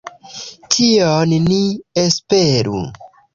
Tion ni esperu.